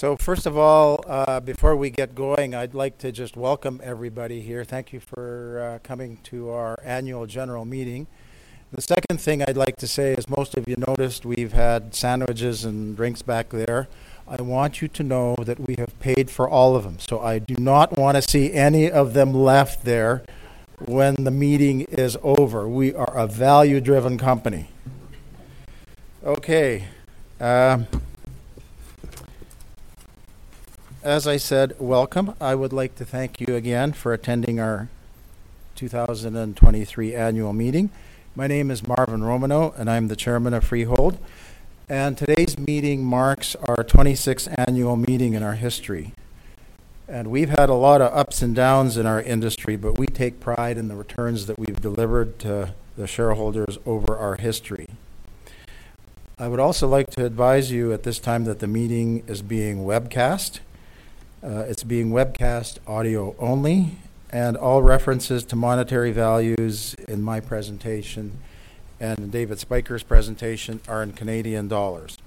So first of all, before we get going, I'd like to just welcome everybody here. Thank you for coming to our annual general meeting. The second thing I'd like to say is, most of you noticed we've had sandwiches and drinks back there. I want you to know that we have paid for all of them, so I do not want to see any of them left there when the meeting is over. We are a value-driven company. Okay, as I said, welcome. I would like to thank you again for attending our 2023 annual meeting. My name is Marvin Romanow, and I'm the chairman of Freehold. And today's meeting marks our 26th annual meeting in our history. And we've had a lot of ups and downs in our industry, but we take pride in the returns that we've delivered to the shareholders over our history. I would also like to advise you at this time that the meeting is being webcast. It's being webcast, audio only, and all references to monetary values in my presentation and in David Spyker's presentation are in Canadian dollars.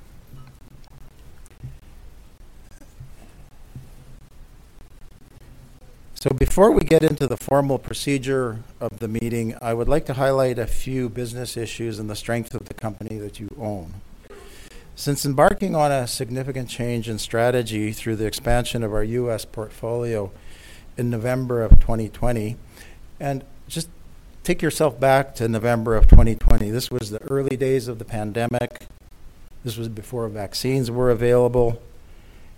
Before we get into the formal procedure of the meeting, I would like to highlight a few business issues and the strength of the company that you own. Since embarking on a significant change in strategy through the expansion of our U.S. portfolio in November of 2020, and just take yourself back to November of 2020. This was the early days of the pandemic. This was before vaccines were available.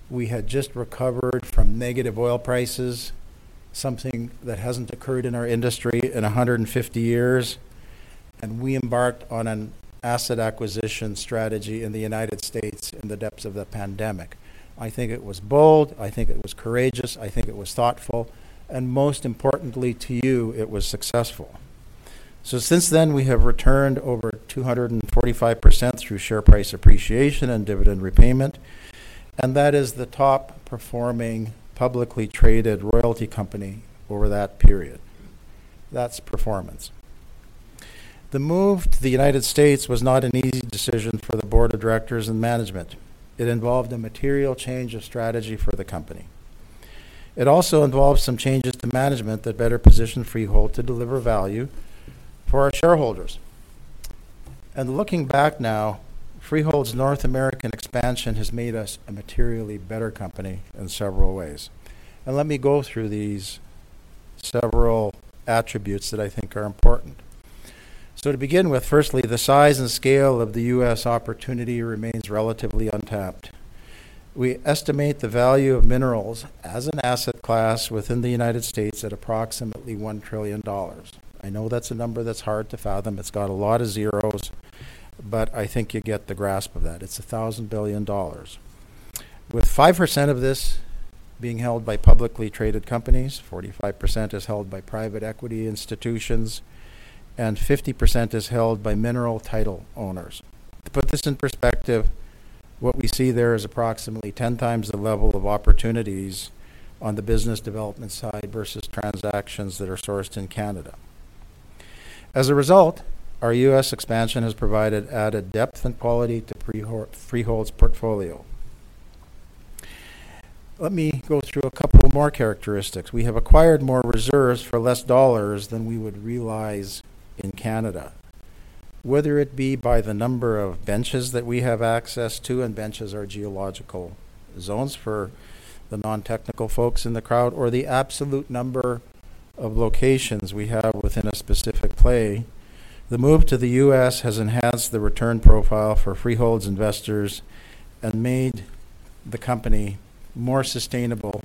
We had just recovered from negative oil prices, something that hasn't occurred in our industry in 150 years. We embarked on an asset acquisition strategy in the United States in the depths of the pandemic. I think it was bold. I think it was courageous. I think it was thoughtful. And most importantly to you, it was successful. Since then, we have returned over 245% through share price appreciation and dividend repayment, and that is the top-performing publicly traded royalty company over that period. That's performance. The move to the United States was not an easy decision for the board of directors and management. It involved a material change of strategy for the company. It also involved some changes to management that better positioned Freehold to deliver value for our shareholders. Looking back now, Freehold's North American expansion has made us a materially better company in several ways. Let me go through these several attributes that I think are important. To begin with, firstly, the size and scale of the U.S. opportunity remains relatively untapped. We estimate the value of minerals as an asset class within the United States at approximately $1 trillion. I know that's a number that's hard to fathom. It's got a lot of zeros, but I think you get the grasp of that. It's $1,000 billion. With 5% of this being held by publicly traded companies, 45% is held by private equity institutions, and 50% is held by mineral title owners. To put this in perspective, what we see there is approximately 10 times the level of opportunities on the business development side versus transactions that are sourced in Canada. As a result, our U.S. expansion has provided added depth and quality to Freehold's portfolio. Let me go through a couple more characteristics. We have acquired more reserves for less dollars than we would realize in Canada, whether it be by the number of benches that we have access to and benches are geological zones for the non-technical folks in the crowd or the absolute number of locations we have within a specific play. The move to the U.S. has enhanced the return profile for Freehold's investors and made the company more sustainable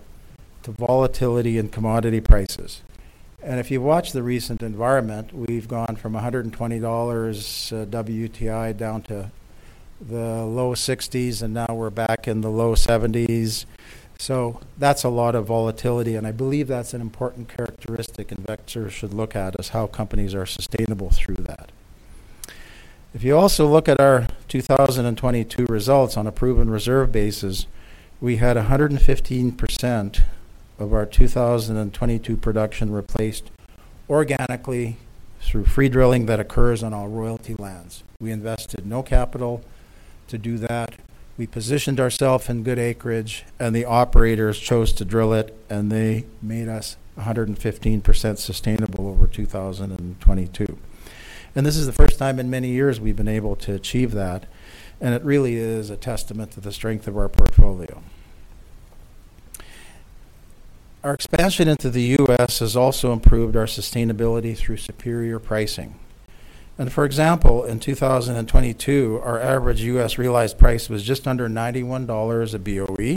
to volatility and commodity prices. If you watch the recent environment, we've gone from $120 WTI down to the low $60s, and now we're back in the low $70s. That's a lot of volatility, and I believe that's an important characteristic investors should look at, is how companies are sustainable through that. If you also look at our 2022 results on a proven reserve basis, we had 115% of our 2022 production replaced organically through free drilling that occurs on all royalty lands. We invested no capital to do that. We positioned ourselves in good acreage, and the operators chose to drill it, and they made us 115% sustainable over 2022. This is the first time in many years we've been able to achieve that, and it really is a testament to the strength of our portfolio. Our expansion into the U.S. has also improved our sustainability through superior pricing. For example, in 2022, our average U.S. realized price was just under $91 a BOE.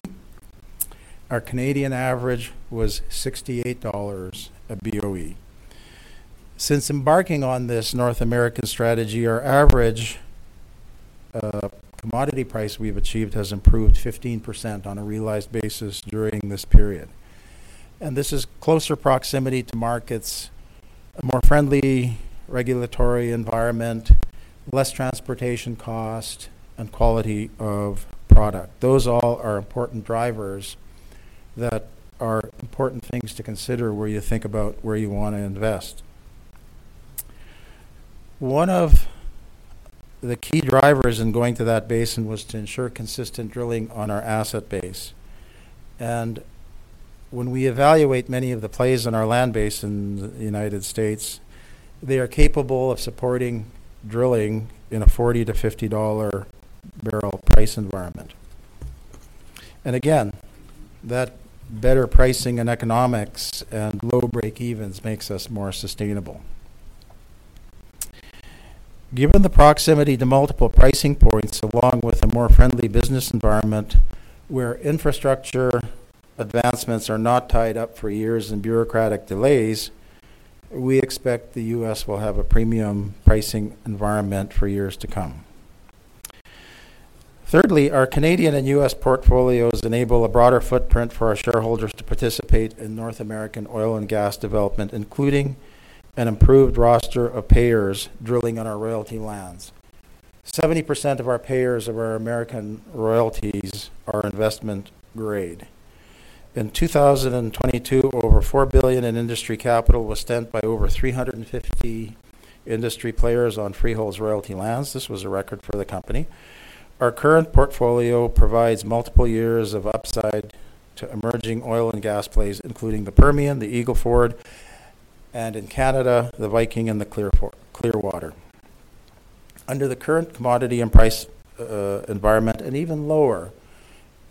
Our Canadian average was 68 dollars a BOE. Since embarking on this North American strategy, our average commodity price we've achieved has improved 15% on a realized basis during this period. This is closer proximity to markets, a more friendly regulatory environment, less transportation cost, and quality of product. Those all are important drivers that are important things to consider where you think about where you want to invest. One of the key drivers in going to that basin was to ensure consistent drilling on our asset base. When we evaluate many of the plays in our land base in the United States, they are capable of supporting drilling in a $40-$50 barrel price environment. Again, that better pricing and economics and low break-evens makes us more sustainable. Given the proximity to multiple pricing points along with a more friendly business environment where infrastructure advancements are not tied up for years in bureaucratic delays, we expect the U.S. will have a premium pricing environment for years to come. Thirdly, our Canadian and U.S. portfolios enable a broader footprint for our shareholders to participate in North American oil and gas development, including an improved roster of payers drilling on our royalty lands. 70% of our payers of our American royalties are investment grade. In 2022, over $4 billion in industry capital was spent by over 350 industry players on Freehold's royalty lands. This was a record for the company. Our current portfolio provides multiple years of upside to emerging oil and gas plays, including the Permian, the Eagle Ford, and in Canada, the Viking and the Clearwater. Under the current commodity and price environment and even lower,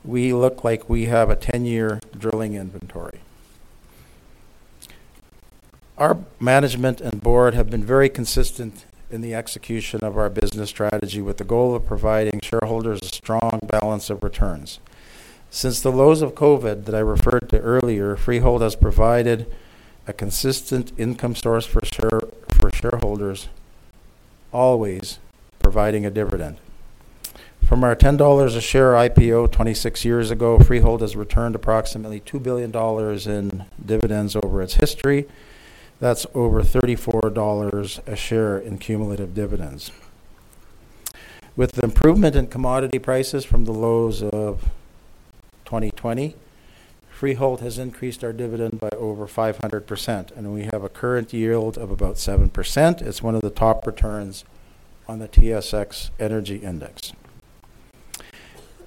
we look like we have a 10-year drilling inventory. Our management and board have been very consistent in the execution of our business strategy with the goal of providing shareholders a strong balance of returns. Since the lows of COVID that I referred to earlier, Freehold has provided a consistent income source for shareholders, always providing a dividend. From our 10 dollars a share IPO 26 years ago, Freehold has returned approximately 2 billion dollars in dividends over its history. That's over 34 dollars a share in cumulative dividends. With the improvement in commodity prices from the lows of 2020, Freehold has increased our dividend by over 500%, and we have a current yield of about 7%. It's one of the top returns on the TSX Energy Index.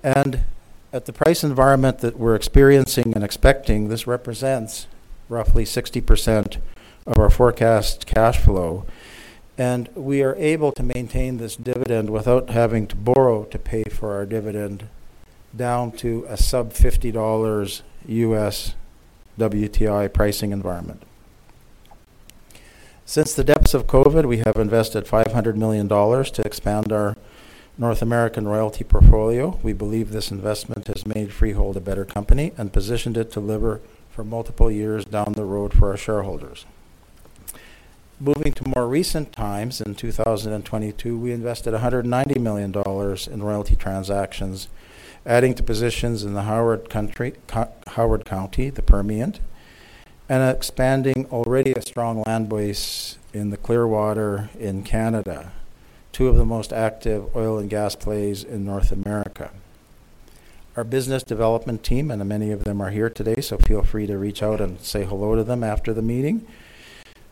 At the price environment that we're experiencing and expecting, this represents roughly 60% of our forecast cash flow. We are able to maintain this dividend without having to borrow to pay for our dividend down to a sub-$50 U.S. WTI pricing environment. Since the depths of COVID, we have invested 500 million dollars to expand our North American royalty portfolio. We believe this investment has made Freehold a better company and positioned it to deliver for multiple years down the road for our shareholders. Moving to more recent times, in 2022, we invested 190 million dollars in royalty transactions, adding to positions in the Howard County, the Permian, and expanding already a strong land base in the Clearwater in Canada, two of the most active oil and gas plays in North America. Our business development team and many of them are here today, so feel free to reach out and say hello to them after the meeting.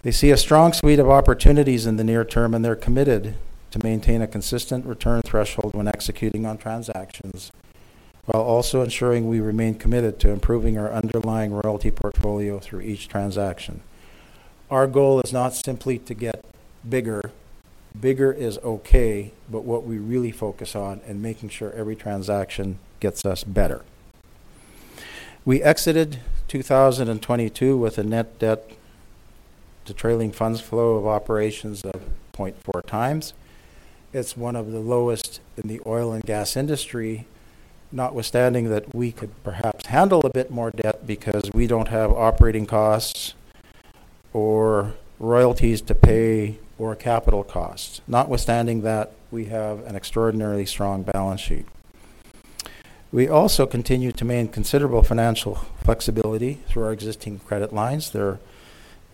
They see a strong suite of opportunities in the near term, and they're committed to maintain a consistent return threshold when executing on transactions while also ensuring we remain committed to improving our underlying royalty portfolio through each transaction. Our goal is not simply to get bigger. Bigger is okay, but what we really focus on is making sure every transaction gets us better. We exited 2022 with a net debt to trailing funds flow of operations of 0.4 times. It's one of the lowest in the oil and gas industry, notwithstanding that we could perhaps handle a bit more debt because we don't have operating costs or royalties to pay or capital costs, notwithstanding that we have an extraordinarily strong balance sheet. We also continue to maintain considerable financial flexibility through our existing credit lines. They're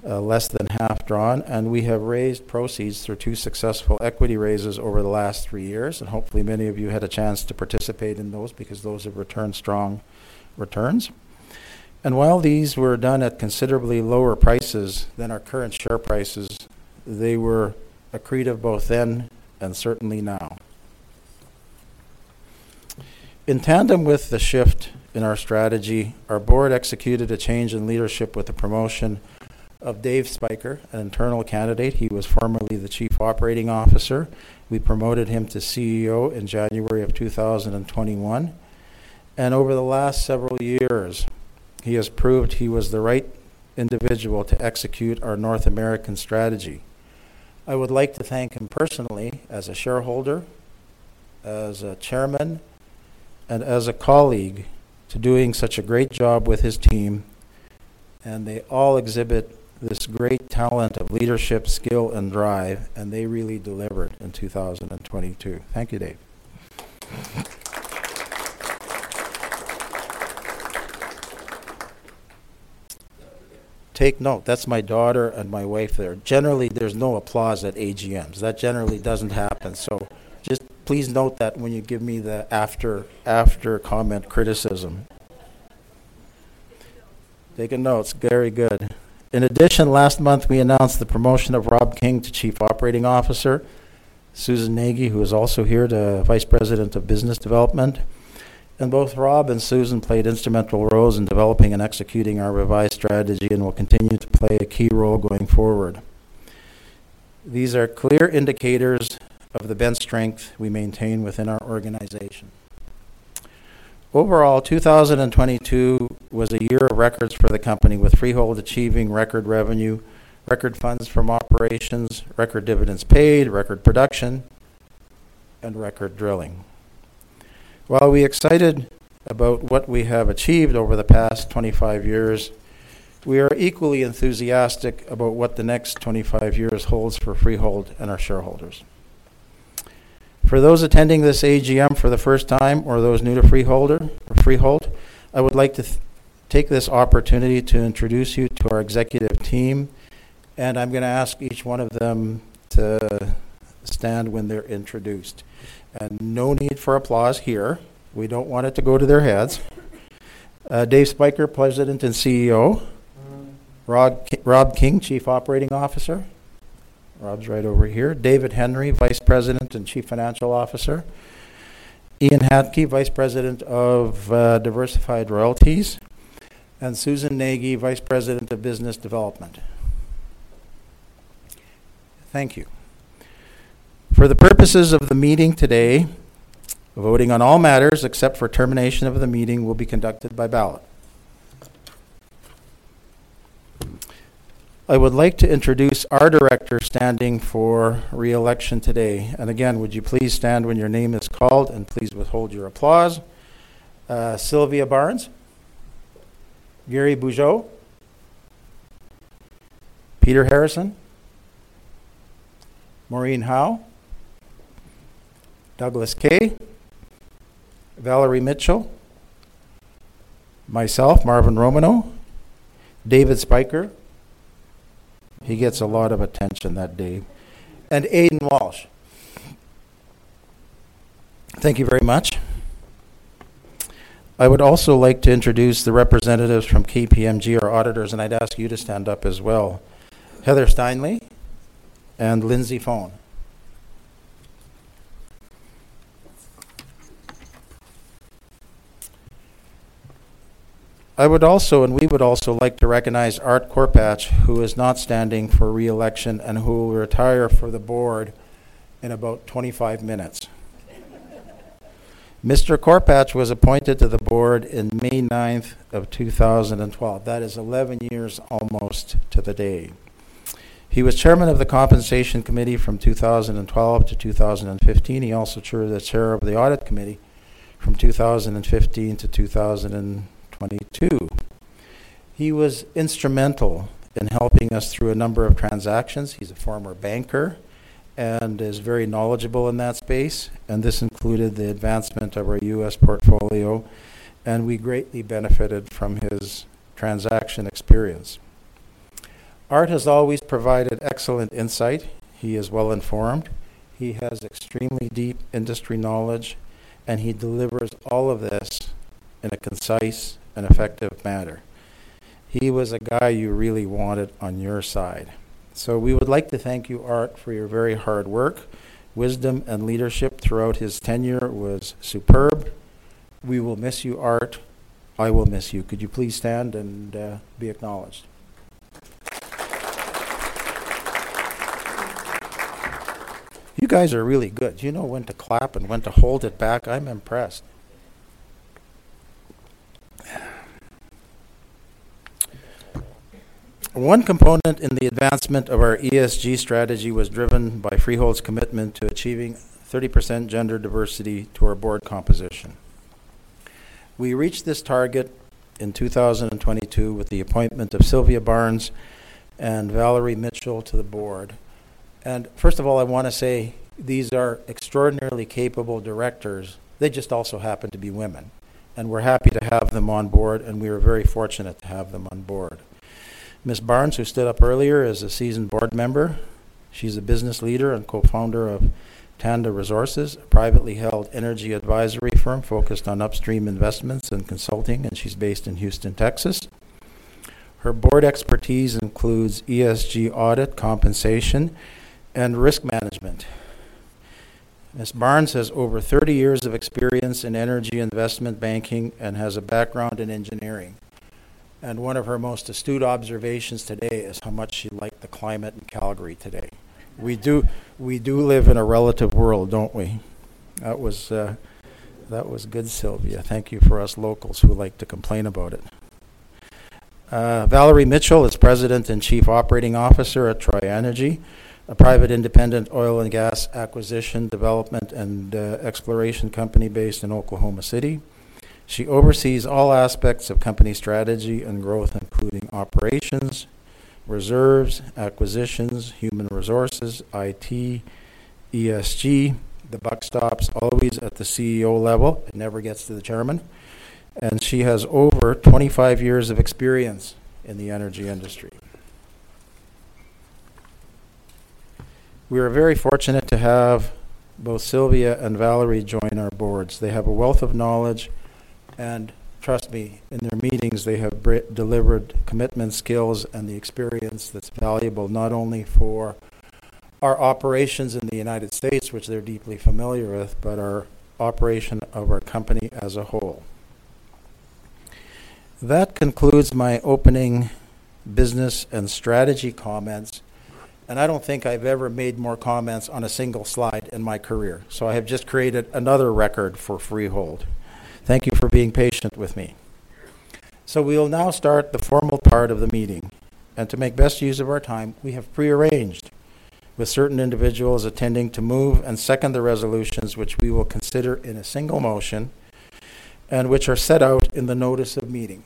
less than half drawn, and we have raised proceeds through two successful equity raises over the last three years. Hopefully, many of you had a chance to participate in those because those have returned strong returns. While these were done at considerably lower prices than our current share prices, they were accretive both then and certainly now. In tandem with the shift in our strategy, our board executed a change in leadership with the promotion of Dave Spyker, an internal candidate. He was formerly the chief operating officer. We promoted him to CEO in January of 2021. Over the last several years, he has proved he was the right individual to execute our North American strategy. I would like to thank him personally as a shareholder, as a chairman, and as a colleague for doing such a great job with his team. They all exhibit this great talent of leadership, skill, and drive, and they really delivered in 2022. Thank you, Dave. Take note. That's my daughter and my wife there. Generally, there's no applause at AGMs. That generally doesn't happen. So just please note that when you give me the after-after comment criticism. Taking notes. Very good. In addition, last month, we announced the promotion of Rob King to Chief Operating Officer, Susan Nagy, who is also here, to Vice President of Business Development. And both Rob and Susan played instrumental roles in developing and executing our revised strategy and will continue to play a key role going forward. These are clear indicators of the bench strength we maintain within our organization. Overall, 2022 was a year of records for the company, with Freehold achieving record revenue, record funds from operations, record dividends paid, record production, and record drilling. While we're excited about what we have achieved over the past 25 years, we are equally enthusiastic about what the next 25 years holds for Freehold and our shareholders. For those attending this AGM for the first time or those new to Freehold, I would like to take this opportunity to introduce you to our executive team, and I'm going to ask each one of them to stand when they're introduced. No need for applause here. We don't want it to go to their heads. David Spyker, President and CEO. Rob King, Chief Operating Officer. Rob's right over here. David Hendry, Vice President and Chief Financial Officer. Ian Hantke, Vice President of Diversified Royalties. And Susan Nagy, Vice President of Business Development. Thank you. For the purposes of the meeting today, voting on all matters except for termination of the meeting will be conducted by ballot. I would like to introduce our director standing for reelection today. And again, would you please stand when your name is called, and please withhold your applause. Sylvia Barnes. Gary Bugeaud. Peter Harrison. Maureen Howe. Douglas Kay. Valerie Mitchell. Myself, Marvin Romanow. David Spyker. He gets a lot of attention that day. And Aidan Walsh. Thank you very much. I would also like to introduce the representatives from KPMG, our auditors, and I'd ask you to stand up as well. Heather Steinley. And Lindsay Fohn. I would also and we would also like to recognize Art Korpach, who is not standing for reelection and who will retire for the board in about 25 minutes. Mr. Korpach was appointed to the board on May 9th of 2012. That is 11 years almost to the day. He was chairman of the Compensation Committee from 2012 to 2015. He also served as chair of the Audit Committee from 2015 to 2022. He was instrumental in helping us through a number of transactions. He's a former banker and is very knowledgeable in that space. And this included the advancement of our U.S. portfolio, and we greatly benefited from his transaction experience. Art has always provided excellent insight. He is well-informed. He has extremely deep industry knowledge, and he delivers all of this in a concise and effective manner. He was a guy you really wanted on your side. So we would like to thank you, Art, for your very hard work. Wisdom and leadership throughout his tenure was superb. We will miss you, Art. I will miss you. Could you please stand and be acknowledged? You guys are really good. You know when to clap and when to hold it back. I'm impressed. One component in the advancement of our ESG strategy was driven by Freehold's commitment to achieving 30% gender diversity to our board composition. We reached this target in 2022 with the appointment of Sylvia Barnes and Valerie Mitchell to the board. And first of all, I want to say these are extraordinarily capable directors. They just also happen to be women, and we're happy to have them on board, and we are very fortunate to have them on board. Ms. Barnes, who stood up earlier, is a seasoned board member. She's a business leader and co-founder of Tanda Resources, a privately held energy advisory firm focused on upstream investments and consulting, and she's based in Houston, Texas. Her board expertise includes ESG audit, compensation, and risk management. Ms. Barnes has over 30 years of experience in energy investment banking and has a background in engineering. One of her most astute observations today is how much she liked the climate in Calgary today. We do we do live in a relative world, don't we? That was, that was good, Sylvia. Thank you for us locals who like to complain about it. Valerie Mitchell is President and Chief Operating Officer at TriEnergy, a private independent oil and gas acquisition, development, and exploration company based in Oklahoma City. She oversees all aspects of company strategy and growth, including operations, reserves, acquisitions, human resources, IT, ESG. The buck stops always at the CEO level. It never gets to the chairman. She has over 25 years of experience in the energy industry. We are very fortunate to have both Sylvia and Valerie join our boards. They have a wealth of knowledge. And trust me, in their meetings, they have delivered commitment, skills, and the experience that's valuable not only for our operations in the United States, which they're deeply familiar with, but our operation of our company as a whole. That concludes my opening business and strategy comments. And I don't think I've ever made more comments on a single slide in my career. So I have just created another record for Freehold. Thank you for being patient with me. So we'll now start the formal part of the meeting. And to make best use of our time, we have prearranged, with certain individuals attending, to move and second the resolutions, which we will consider in a single motion and which are set out in the notice of meeting.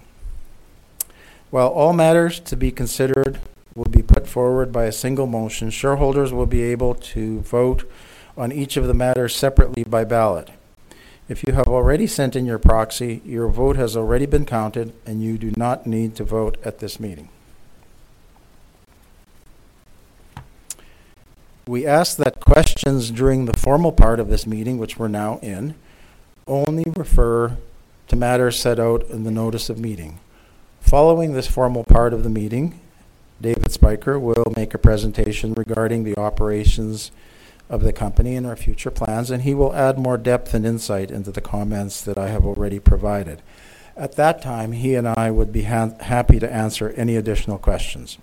While all matters to be considered will be put forward by a single motion, shareholders will be able to vote on each of the matters separately by ballot. If you have already sent in your proxy, your vote has already been counted, and you do not need to vote at this meeting. We ask that questions during the formal part of this meeting, which we're now in, only refer to matters set out in the notice of meeting. Following this formal part of the meeting, David Spyker will make a presentation regarding the operations of the company and our future plans, and he will add more depth and insight into the comments that I have already provided. At that time, he and I would be happy to answer any additional questions.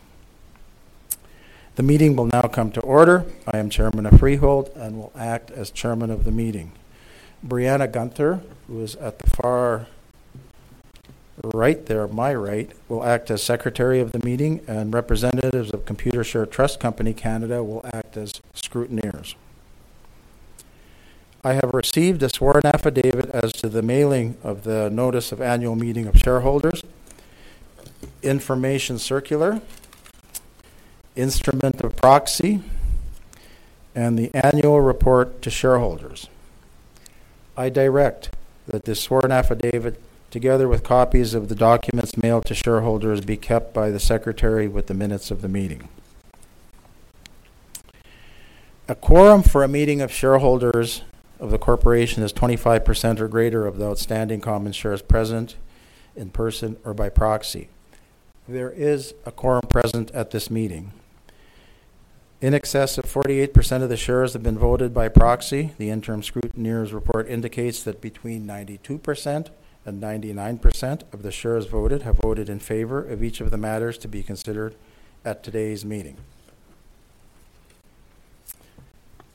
The meeting will now come to order. I am Chairman of Freehold and will act as Chairman of the meeting. Brianna Gunther, who is at the far right there, my right, will act as secretary of the meeting, and representatives of Computershare Trust Company of Canada will act as scrutineers. I have received a sworn affidavit as to the mailing of the notice of annual meeting of shareholders, information circular, instrument of proxy, and the annual report to shareholders. I direct that this sworn affidavit, together with copies of the documents mailed to shareholders, be kept by the secretary with the minutes of the meeting. A quorum for a meeting of shareholders of the corporation is 25% or greater of the outstanding common shares present in person or by proxy. There is a quorum present at this meeting. In excess of 48% of the shares have been voted by proxy. The interim scrutineers' report indicates that between 92% and 99% of the shares voted have voted in favor of each of the matters to be considered at today's meeting.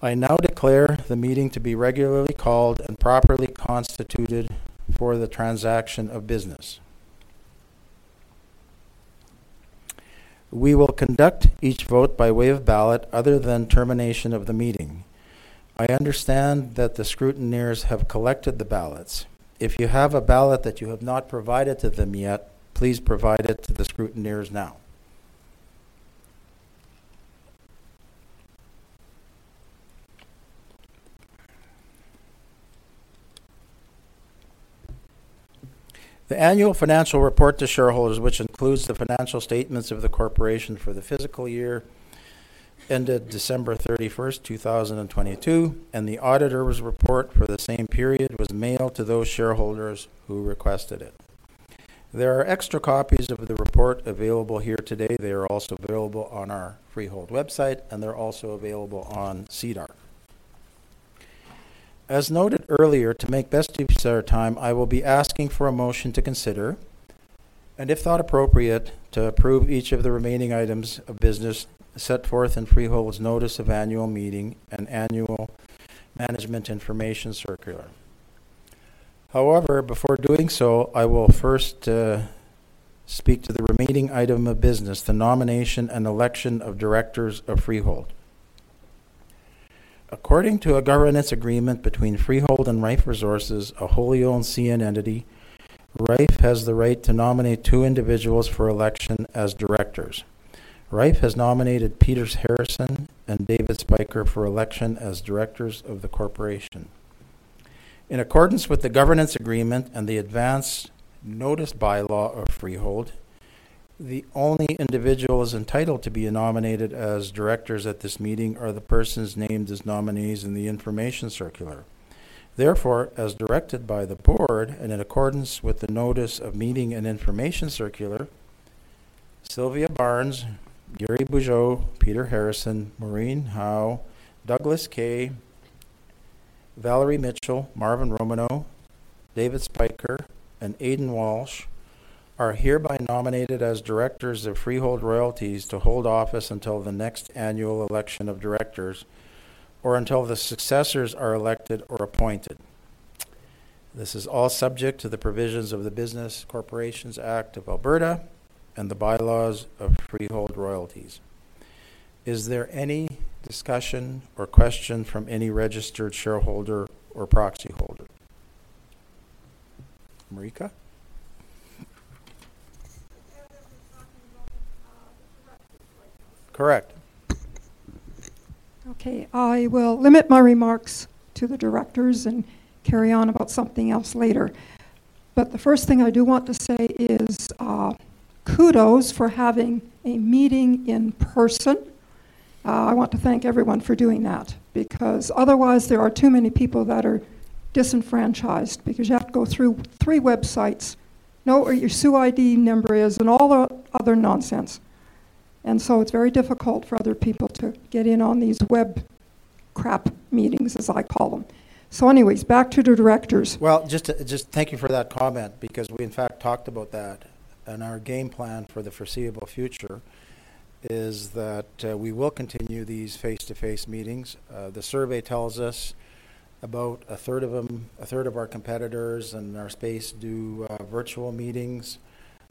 I now declare the meeting to be regularly called and properly constituted for the transaction of business. We will conduct each vote by way of ballot other than termination of the meeting. I understand that the scrutineers have collected the ballots. If you have a ballot that you have not provided to them yet, please provide it to the scrutineers now. The annual financial report to shareholders, which includes the financial statements of the corporation for the fiscal year ended December 31st, 2022, and the auditor's report for the same period was mailed to those shareholders who requested it. There are extra copies of the report available here today. They are also available on our Freehold website, and they're also available on SEDAR. As noted earlier, to make best use of our time, I will be asking for a motion to consider and, if thought appropriate, to approve each of the remaining items of business set forth in Freehold's notice of annual meeting and annual management information circular. However, before doing so, I will first speak to the remaining item of business, the nomination and election of directors of Freehold. According to a governance agreement between Freehold and Rife Resources, a wholly owned CN entity, Rife has the right to nominate two individuals for election as directors. Rife has nominated Peter Harrison and David Spyker for election as directors of the corporation. In accordance with the governance agreement and the advance notice bylaw of Freehold, the only individual is entitled to be nominated as directors at this meeting are the persons named as nominees in the information circular. Therefore, as directed by the board and in accordance with the notice of meeting and information circular, Sylvia Barnes, Gary Bugeaud, Peter Harrison, Maureen Hau, Douglas Kay, Valerie Mitchell, Marvin Romanow, David Spyker, and Aidan Walsh are hereby nominated as directors of Freehold Royalties to hold office until the next annual election of directors or until the successors are elected or appointed. This is all subject to the provisions of the Business Corporations Act of Alberta and the bylaws of Freehold Royalties. Is there any discussion or question from any registered shareholder or proxy holder? Marika? Correct. Okay. I will limit my remarks to the directors and carry on about something else later. But the first thing I do want to say is, kudos for having a meeting in person. I want to thank everyone for doing that because otherwise, there are too many people that are disenfranchised because you have to go through three websites, know what your SUID number is, and all the other nonsense. And so it's very difficult for other people to get in on these web crap meetings, as I call them. So anyways, back to the directors. Well, just to just thank you for that comment because we, in fact, talked about that. And our game plan for the foreseeable future is that we will continue these face-to-face meetings. The survey tells us about a third of them a third of our competitors in our space do virtual meetings,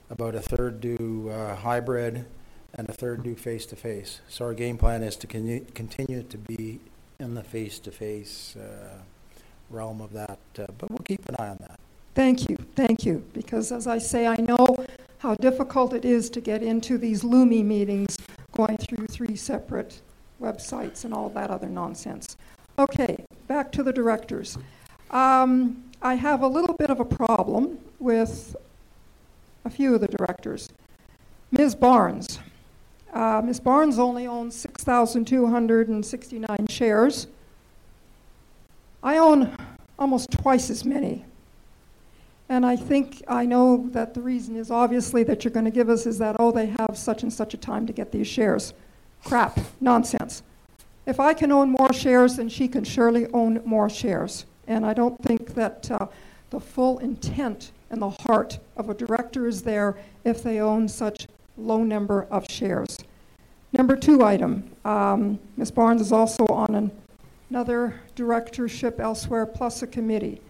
about a third do hybrid, and a third do face-to-face. So our game plan is to continue to be in the face-to-face realm of that. But we'll keep an eye on that. Thank you. Thank you because, as I say, I know how difficult it is to get into these Zoomy meetings going through three separate websites and all that other nonsense. Okay. Back to the directors. I have a little bit of a problem with a few of the directors. Ms. Barnes, Ms. Barnes only owns 6,269 shares. I own almost twice as many. And I think I know that the reason is, obviously, that you're going to give us is that, "Oh, they have such and such a time to get these shares." Crap. Nonsense. If I can own more shares, then she can surely own more shares. I don't think that the full intent and the heart of a director is there if they own such low number of shares. Number 2 item, Ms. Barnes is also on another directorship elsewhere plus a committee.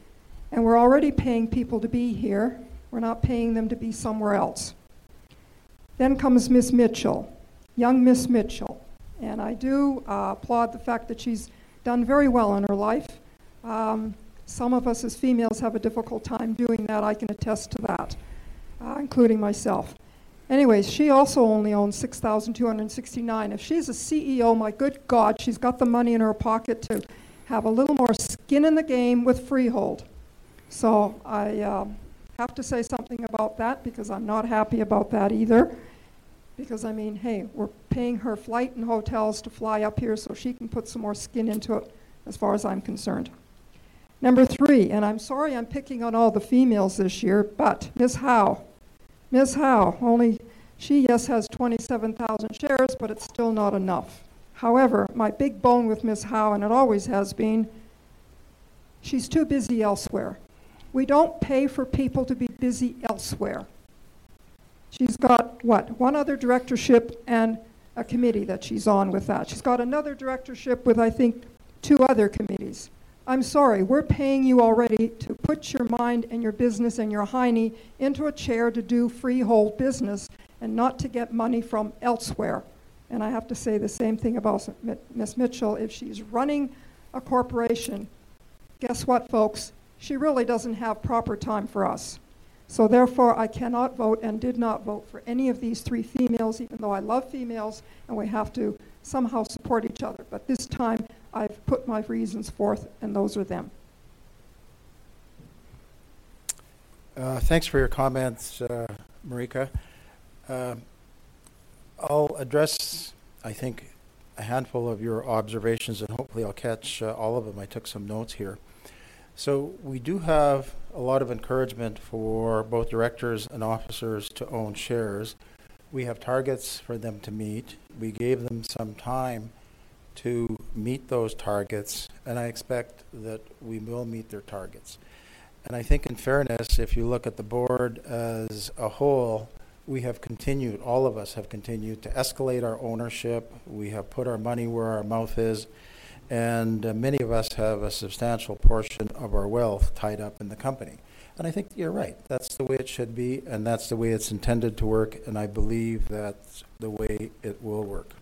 We're already paying people to be here. We're not paying them to be somewhere else. Then comes Ms. Mitchell, young Ms. Mitchell. I do applaud the fact that she's done very well in her life. Some of us as females have a difficult time doing that. I can attest to that, including myself. Anyways, she also only owns 6,269. If she's a CEO, my good God, she's got the money in her pocket to have a little more skin in the game with Freehold. So I have to say something about that because I'm not happy about that either because, I mean, hey, we're paying her flight and hotels to fly up here so she can put some more skin into it as far as I'm concerned. Number three, and I'm sorry I'm picking on all the females this year, but Ms. Hau, Ms. Hau, only she, yes, has 27,000 shares, but it's still not enough. However, my big bone with Ms. Hau, and it always has been, she's too busy elsewhere. We don't pay for people to be busy elsewhere. She's got, what, one other directorship and a committee that she's on with that. She's got another directorship with, I think, two other committees. I'm sorry. We're paying you already to put your mind and your business and your hiney into a chair to do Freehold business and not to get money from elsewhere. And I have to say the same thing about Ms. Mitchell. If she's running a corporation, guess what, folks? She really doesn't have proper time for us. So therefore, I cannot vote and did not vote for any of these three females, even though I love females and we have to somehow support each other. But this time, I've put my reasons forth, and those are them. Thanks for your comments, Marika. I'll address, I think, a handful of your observations, and hopefully, I'll catch all of them. I took some notes here. So we do have a lot of encouragement for both directors and officers to own shares. We have targets for them to meet. We gave them some time to meet those targets, and I expect that we will meet their targets. I think, in fairness, if you look at the board as a whole, we have continued, all of us have continued, to escalate our ownership. We have put our money where our mouth is. Many of us have a substantial portion of our wealth tied up in the company. I think you're right. That's the way it should be, and that's the way it's intended to work. I believe that's the way it will work.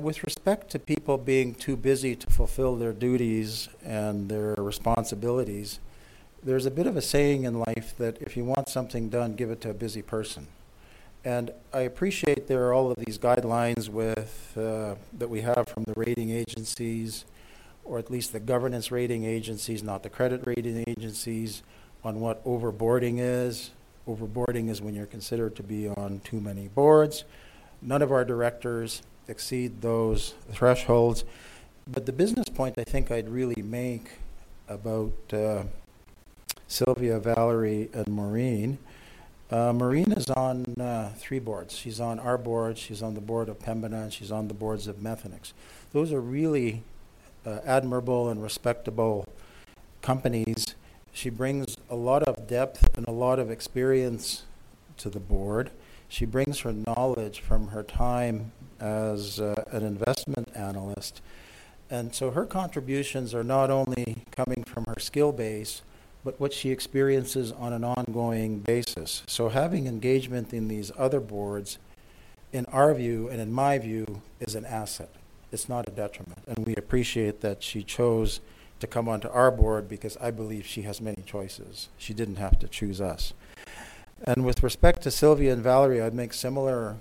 With respect to people being too busy to fulfill their duties and their responsibilities, there's a bit of a saying in life that if you want something done, give it to a busy person. I appreciate there are all of these guidelines that we have from the rating agencies or at least the governance rating agencies, not the credit rating agencies, on what overboarding is. Overboarding is when you're considered to be on too many boards. None of our directors exceed those thresholds. But the business point I think I'd really make about Sylvia, Valerie, and Maureen, Maureen is on three boards. She's on our board. She's on the board of Pembina. She's on the boards of Methanex. Those are really admirable and respectable companies. She brings a lot of depth and a lot of experience to the board. She brings her knowledge from her time as an investment analyst. And so her contributions are not only coming from her skill base but what she experiences on an ongoing basis. So having engagement in these other boards, in our view and in my view, is an asset. It's not a detriment. We appreciate that she chose to come onto our board because I believe she has many choices. She didn't have to choose us. With respect to Sylvia and Valerie, I'd make similar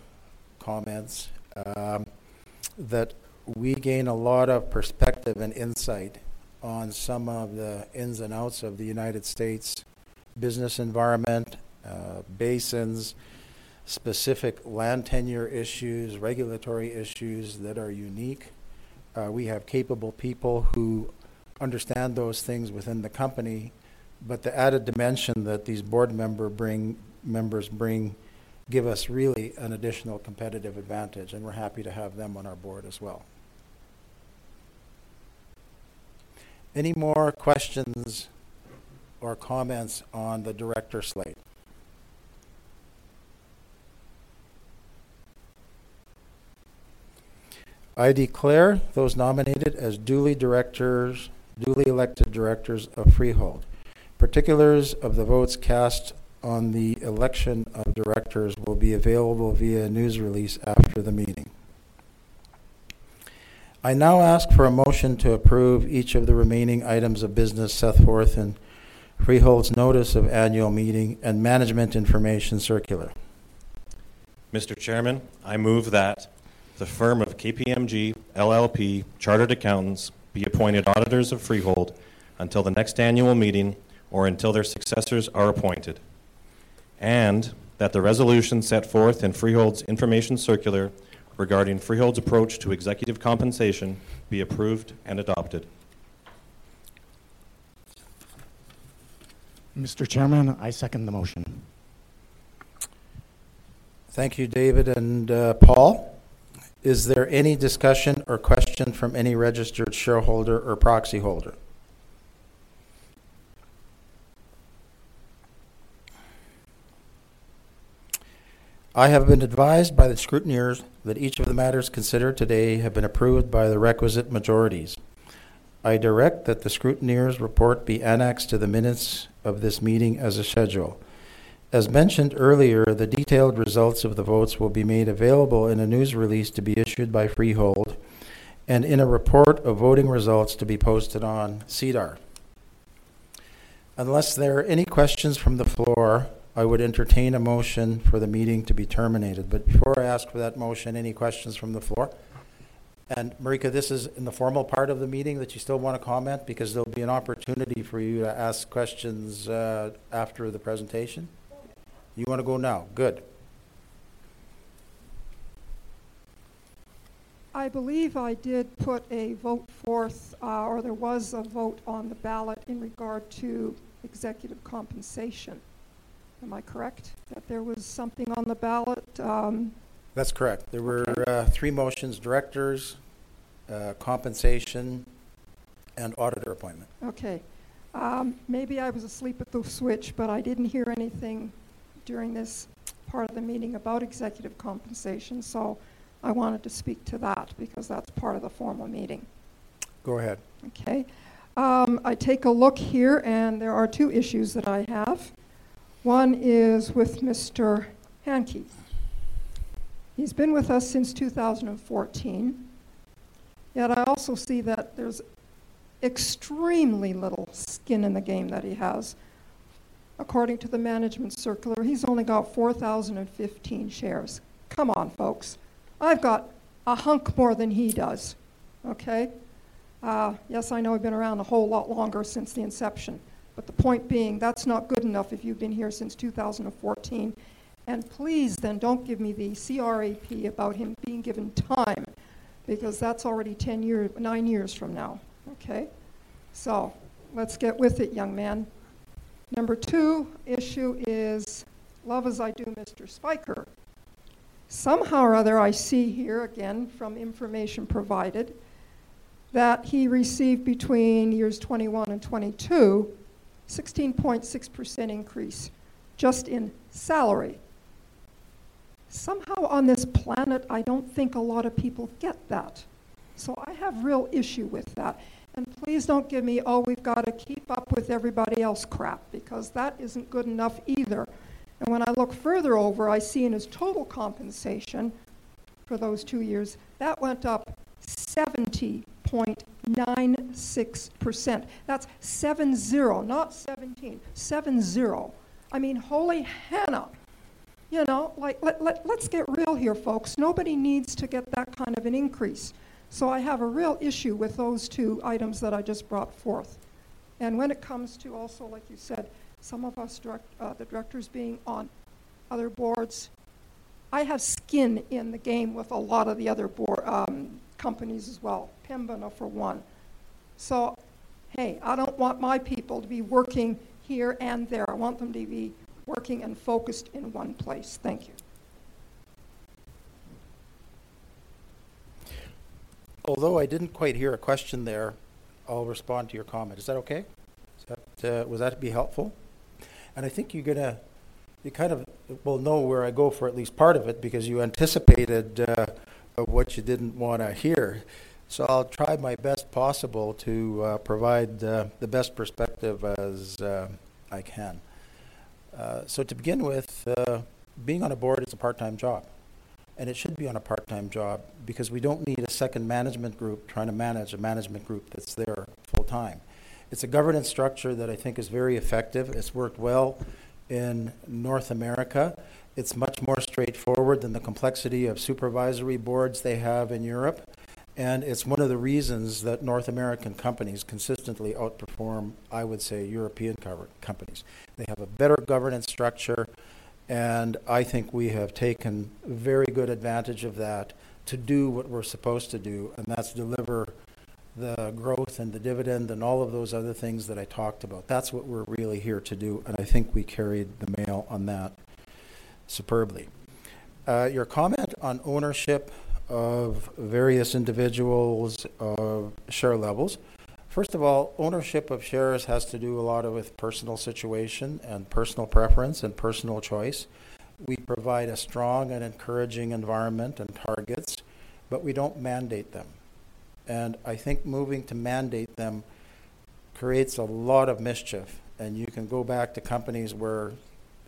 comments that we gain a lot of perspective and insight on some of the ins and outs of the United States business environment, basins, specific land tenure issues, regulatory issues that are unique. We have capable people who understand those things within the company. But the added dimension that these board members bring gives us really an additional competitive advantage. We're happy to have them on our board as well. Any more questions or comments on the director slate? I declare those nominated as duly directors, duly elected directors of Freehold. Particulars of the votes cast on the election of directors will be available via news release after the meeting. I now ask for a motion to approve each of the remaining items of business set forth in Freehold's notice of annual meeting and management information circular. Mr. Chairman, I move that the firm of KPMG LLP, Chartered Accountants, be appointed auditors of Freehold until the next annual meeting or until their successors are appointed and that the resolution set forth in Freehold's information circular regarding Freehold's approach to executive compensation be approved and adopted. Mr. Chairman, I second the motion. Thank you, David and Paul. Is there any discussion or question from any registered shareholder or proxy holder? I have been advised by the scrutineers that each of the matters considered today have been approved by the requisite majorities. I direct that the scrutineers' report be annexed to the minutes of this meeting as a schedule. As mentioned earlier, the detailed results of the votes will be made available in a news release to be issued by Freehold and in a report of voting results to be posted on SEDAR. Unless there are any questions from the floor, I would entertain a motion for the meeting to be terminated. But before I ask for that motion, any questions from the floor? And Marika, this is in the formal part of the meeting that you still want to comment because there'll be an opportunity for you to ask questions after the presentation. You want to go now? Good. I believe I did put a vote forth or there was a vote on the ballot in regard to executive compensation. Am I correct that there was something on the ballot? That's correct. There were three motions: directors, compensation, and auditor appointment. Okay. Maybe I was asleep at the switch, but I didn't hear anything during this part of the meeting about executive compensation. So I wanted to speak to that because that's part of the formal meeting. Go ahead. Okay. I take a look here, and there are two issues that I have. One is with Mr. Hantke. He's been with us since 2014. Yet I also see that there's extremely little skin in the game that he has. According to the management circular, he's only got 4,015 shares. Come on, folks. I've got a hunk more than he does. Okay? Yes, I know I've been around a whole lot longer since the inception. But the point being, that's not good enough if you've been here since 2014. Please, then, don't give me the crap about him being given time because that's already 10 years, nine years from now. Okay? So let's get with it, young man. Number two issue is, love as I do, Mr. Spyker. Somehow or other, I see here, again, from information provided, that he received between years 2021 and 2022 a 16.6% increase just in salary. Somehow, on this planet, I don't think a lot of people get that. So I have real issue with that. And please don't give me, "Oh, we've got to keep up with everybody else's," crap because that isn't good enough either. And when I look further over, I see in his total compensation for those two years, that went up 70.96%. That's 70, not 17. 70. I mean, holy henna. Let's get real here, folks. Nobody needs to get that kind of an increase. So I have a real issue with those two items that I just brought forth. And when it comes to also, like you said, some of us directors being on other boards, I have skin in the game with a lot of the other companies as well. Pembina, for one. So hey, I don't want my people to be working here and there. I want them to be working and focused in one place. Thank you. Although I didn't quite hear a question there, I'll respond to your comment. Is that okay? Would that be helpful? And I think you're going to you kind of will know where I go for at least part of it because you anticipated what you didn't want to hear. So I'll try my best possible to provide the best perspective as I can. To begin with, being on a board is a part-time job. It should be a part-time job because we don't need a second management group trying to manage a management group that's there full-time. It's a governance structure that I think is very effective. It's worked well in North America. It's much more straightforward than the complexity of supervisory boards they have in Europe. It's one of the reasons that North American companies consistently outperform, I would say, European companies. They have a better governance structure. I think we have taken very good advantage of that to do what we're supposed to do, and that's deliver the growth and the dividend and all of those other things that I talked about. That's what we're really here to do. I think we carried the mail on that superbly. Your comment on ownership of various individuals' share levels, first of all, ownership of shares has to do a lot with personal situation and personal preference and personal choice. We provide a strong and encouraging environment and targets, but we don't mandate them. I think moving to mandate them creates a lot of mischief. You can go back to companies where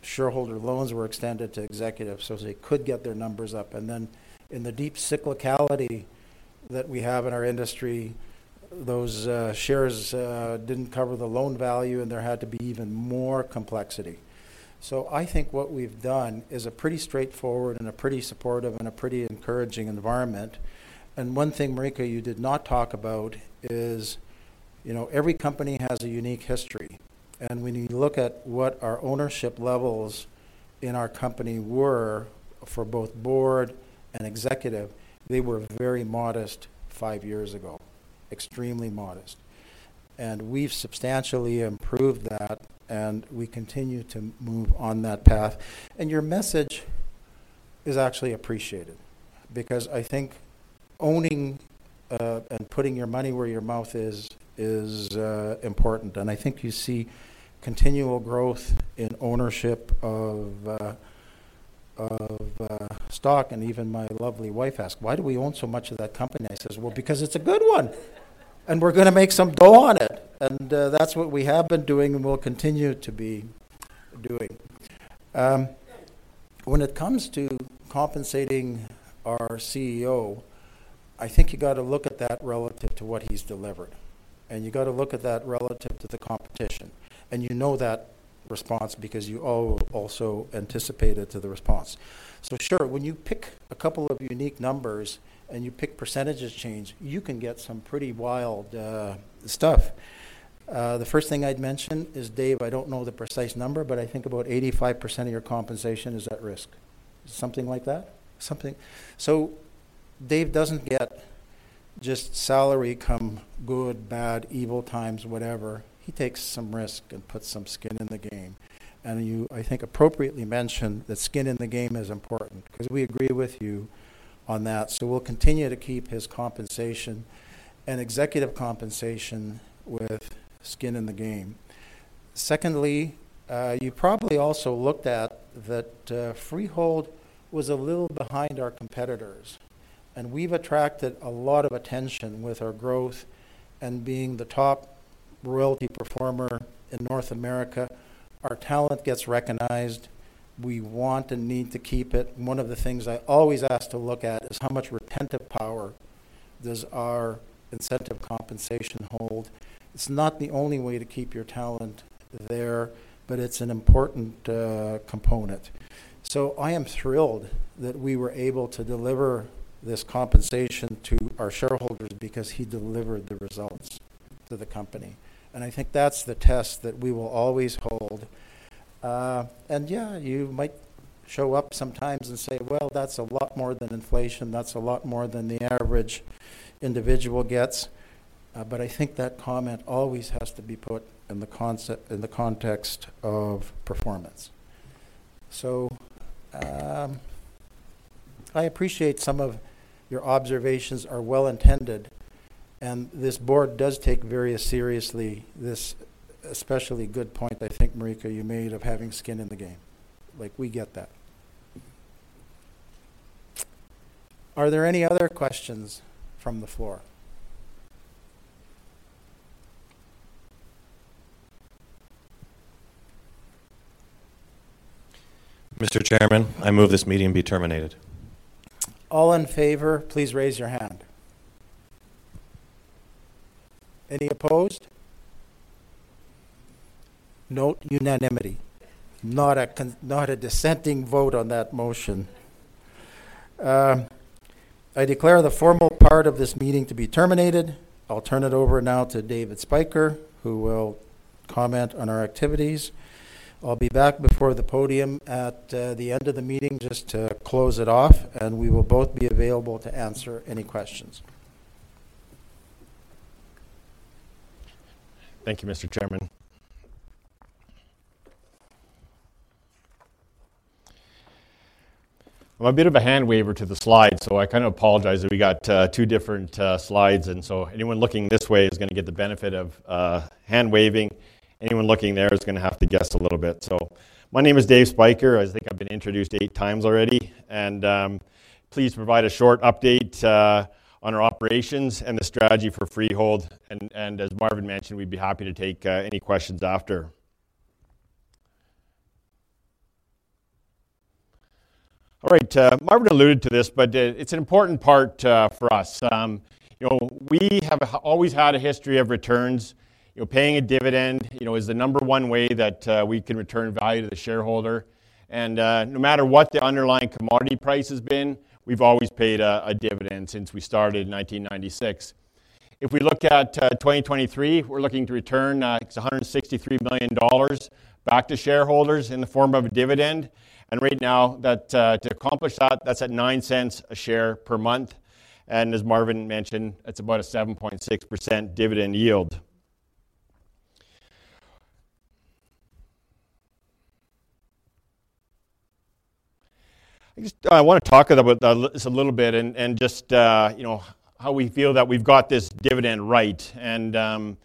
shareholder loans were extended to executives so they could get their numbers up. Then in the deep cyclicality that we have in our industry, those shares didn't cover the loan value, and there had to be even more complexity. So I think what we've done is a pretty straightforward and a pretty supportive and a pretty encouraging environment. One thing, Marika, you did not talk about is every company has a unique history. When you look at what our ownership levels in our company were for both board and executive, they were very modest five years ago, extremely modest. We've substantially improved that, and we continue to move on that path. Your message is actually appreciated because I think owning and putting your money where your mouth is is important. I think you see continual growth in ownership of stock. Even my lovely wife asks, "Why do we own so much of that company?" I says, "Well, because it's a good one, and we're going to make some dough on it. And that's what we have been doing, and we'll continue to be doing." When it comes to compensating our CEO, I think you got to look at that relative to what he's delivered. You got to look at that relative to the competition. You know that response because you all also anticipated the response. So sure, when you pick a couple of unique numbers and you pick percentages change, you can get some pretty wild stuff. The first thing I'd mention is, Dave, I don't know the precise number, but I think about 85% of your compensation is at risk. Is it something like that? So Dave doesn't get just salary come good, bad, evil times, whatever. He takes some risk and puts some skin in the game. And you, I think, appropriately mentioned that skin in the game is important because we agree with you on that. So we'll continue to keep his compensation and executive compensation with skin in the game. Secondly, you probably also looked at that Freehold was a little behind our competitors. We've attracted a lot of attention with our growth and being the top royalty performer in North America. Our talent gets recognized. We want and need to keep it. One of the things I always ask to look at is how much retentive power does our incentive compensation hold? It's not the only way to keep your talent there, but it's an important component. I am thrilled that we were able to deliver this compensation to our shareholders because he delivered the results to the company. I think that's the test that we will always hold. Yeah, you might show up sometimes and say, "Well, that's a lot more than inflation. That's a lot more than the average individual gets." I think that comment always has to be put in the context of performance. I appreciate some of your observations are well-intended. And this board does take very seriously, this especially good point, I think, Marika, you made of having skin in the game. We get that. Are there any other questions from the floor? Mr. Chairman, I move this meeting be terminated. All in favor, please raise your hand. Any opposed? Note unanimity. Not a dissenting vote on that motion. I declare the formal part of this meeting to be terminated. I'll turn it over now to David Spyker, who will comment on our activities. I'll be back before the podium at the end of the meeting just to close it off. And we will both be available to answer any questions. Thank you, Mr. Chairman. I'm a bit of a hand-waver to the slides, so I kind of apologize. We got two different slides. And so anyone looking this way is going to get the benefit of hand-waving. Anyone looking there is going to have to guess a little bit. So my name is Dave Spyker. I think I've been introduced eight times already. And please provide a short update on our operations and the strategy for Freehold. And as Marvin mentioned, we'd be happy to take any questions after. All right. Marvin alluded to this, but it's an important part for us. We have always had a history of returns. Paying a dividend is the number one way that we can return value to the shareholder. And no matter what the underlying commodity price has been, we've always paid a dividend since we started in 1996. If we look at 2023, we're looking to return 163 million dollars back to shareholders in the form of a dividend. And right now, to accomplish that, that's at 0.09 per share per month. And as Marvin mentioned, it's about a 7.6% dividend yield. I want to talk about this a little bit and just how we feel that we've got this dividend right. And I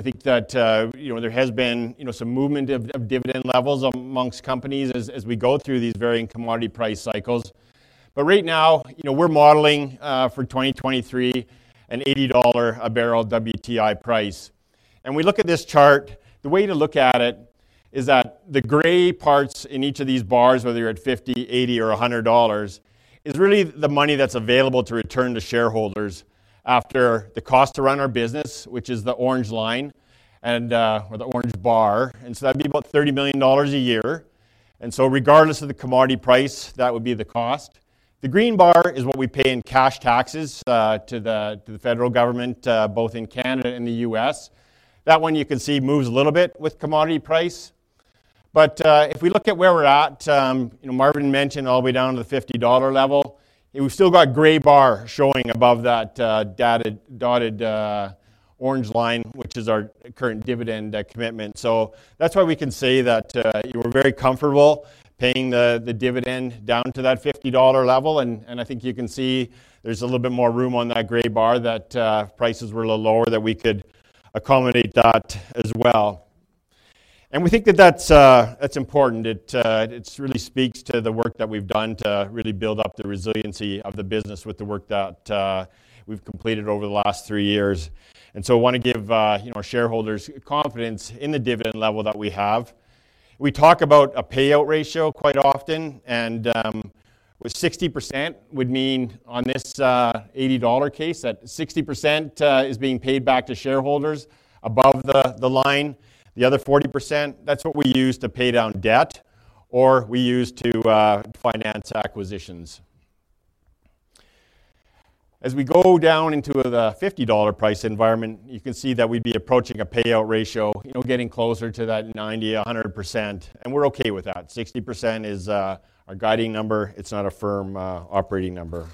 think that there has been some movement of dividend levels amongst companies as we go through these varying commodity price cycles. But right now, we're modeling for 2023 an $80 a barrel WTI price. And we look at this chart. The way to look at it is that the gray parts in each of these bars, whether you're at 50, 80, or $100, is really the money that's available to return to shareholders after the cost to run our business, which is the orange line or the orange bar. And so that'd be about $30 million a year. And so regardless of the commodity price, that would be the cost. The green bar is what we pay in cash taxes to the federal government, both in Canada and the U.S. That one, you can see, moves a little bit with commodity price. But if we look at where we're at, Marvin mentioned all the way down to the $50 level, we've still got gray bar showing above that dotted orange line, which is our current dividend commitment. So that's why we can say that we're very comfortable paying the dividend down to that $50 level. And I think you can see there's a little bit more room on that gray bar that prices were a little lower that we could accommodate that as well. And we think that that's important. It really speaks to the work that we've done to really build up the resiliency of the business with the work that we've completed over the last three years. So I want to give our shareholders confidence in the dividend level that we have. We talk about a payout ratio quite often. 60% would mean, on this $80 case, that 60% is being paid back to shareholders above the line. The other 40%, that's what we use to pay down debt, or we use to finance acquisitions. As we go down into the $50 price environment, you can see that we'd be approaching a payout ratio, getting closer to that 90%-100%. And we're okay with that. 60% is our guiding number. It's not a firm operating number.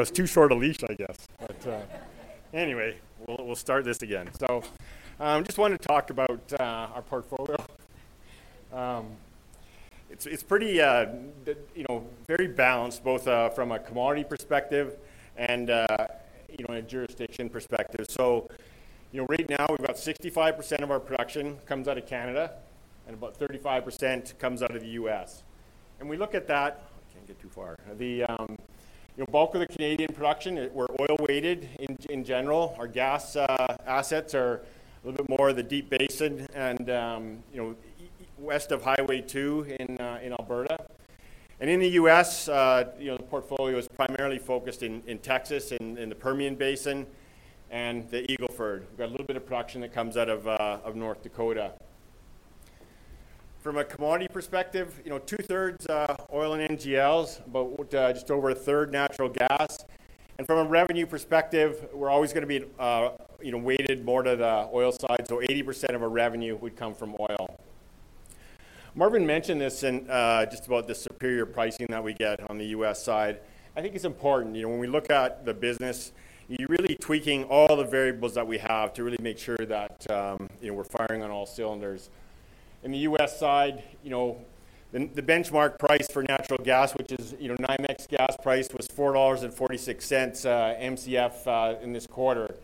Yeah. I was too short a leash, I guess. But anyway, we'll start this again. So I just wanted to talk about our portfolio. It's very balanced, both from a commodity perspective and a jurisdiction perspective. So right now, we've got 65% of our production comes out of Canada and about 35% comes out of the U.S. And we look at that I can't get too far. The bulk of the Canadian production, we're oil-weighted in general. Our gas assets are a little bit more of the Deep Basin and west of Highway 2 in Alberta. And in the U.S., the portfolio is primarily focused in Texas and the Permian Basin and the Eagle Ford. We've got a little bit of production that comes out of North Dakota. From a commodity perspective, two-thirds oil and NGLs, about just over a third natural gas. And from a revenue perspective, we're always going to be weighted more to the oil side. So 80% of our revenue would come from oil. Marvin mentioned this just about the superior pricing that we get on the U.S. side. I think it's important. When we look at the business, you're really tweaking all the variables that we have to really make sure that we're firing on all cylinders. In the U.S. side, the benchmark price for natural gas, which is NYMEX gas price, was $4.46 MCF in this quarter.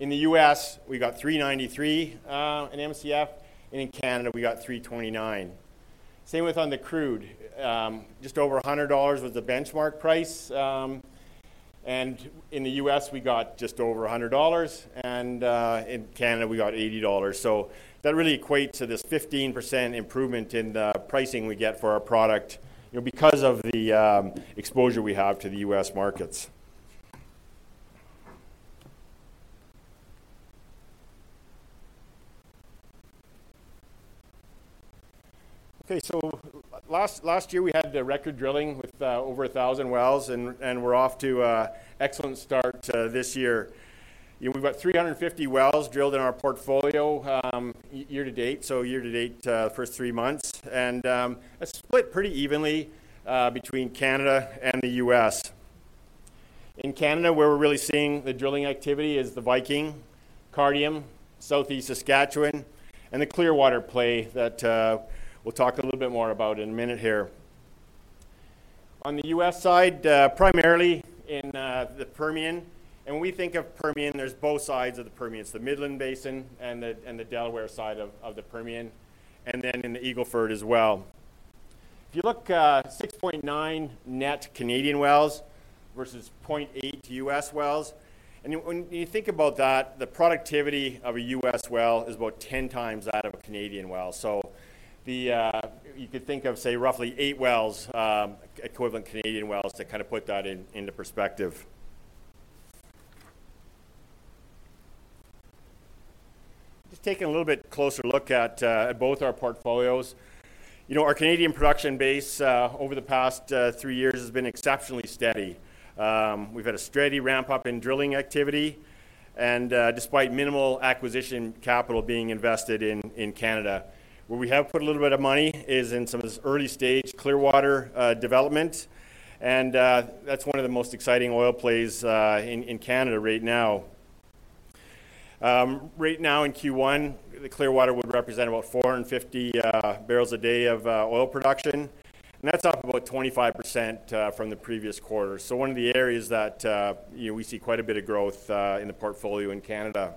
In the U.S., we got $3.93 in MCF. And in Canada, we got $3.29. Same with on the crude. Just over $100 was the benchmark price. And in the U.S., we got just over $100. And in Canada, we got $80. So that really equates to this 15% improvement in the pricing we get for our product because of the exposure we have to the U.S. markets. Okay. So last year, we had the record drilling with over 1,000 wells. And we're off to an excellent start this year. We've got 350 wells drilled in our portfolio year to date, so year to date the first three months. And that's split pretty evenly between Canada and the U.S. In Canada, where we're really seeing the drilling activity is the Viking, Cardium, Southeast Saskatchewan, and the Clearwater Play that we'll talk a little bit more about in a minute here. On the U.S. side, primarily in the Permian and when we think of Permian, there's both sides of the Permian. It's the Midland Basin and the Delaware side of the Permian and then in the Eagle Ford as well. If you look at 6.9 net Canadian wells versus 0.8 U.S. wells, and when you think about that, the productivity of a U.S. well is about 10 times that of a Canadian well. So you could think of, say, roughly 8 wells, equivalent Canadian wells, to kind of put that into perspective. Just taking a little bit closer look at both our portfolios, our Canadian production base over the past three years has been exceptionally steady. We've had a steady ramp-up in drilling activity and despite minimal acquisition capital being invested in Canada. Where we have put a little bit of money is in some of this early-stage Clearwater development. And that's one of the most exciting oil plays in Canada right now. Right now in Q1, the Clearwater would represent about 450 barrels a day of oil production. And that's off about 25% from the previous quarter. So one of the areas that we see quite a bit of growth in the portfolio in Canada.